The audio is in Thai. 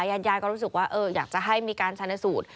ญาติยายก็รู้สึกว่าอยากจะให้มีการชนสูตร